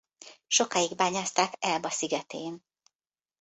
Sokáig bányászták Elba szigetén.